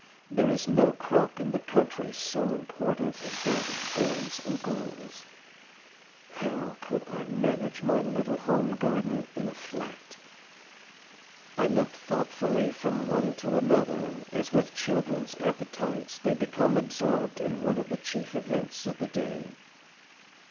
There is no crop in the country so important as that of boys and girls. How could I manage my little home garden in a flat? I looked thoughtfully from one to another, as with children's appetites they became absorbed in one of the chief events of the day.